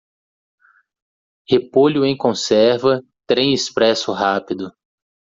Repolho em conserva Trem expresso rápido.